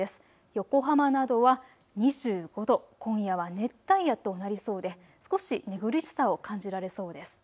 横浜などは２５度、今夜は熱帯夜となりそうで少し寝苦しさを感じられそうです。